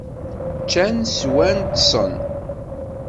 Ččan, sswan, ṭṭsen.